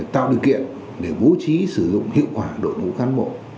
tạo điều kiện để bố trí sử dụng hiệu quả đội ngũ cán bộ